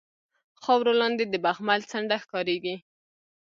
خاورو لاندې د بخمل څنډه ښکاریږي